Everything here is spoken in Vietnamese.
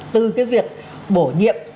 từ cái việc bổ nhiệm